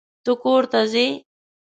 ته کورته ځې؟